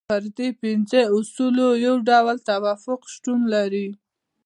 پر دې پنځو اصولو یو ډول توافق شتون لري.